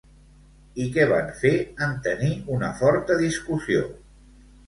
I què van fer en tenir una forta discussió?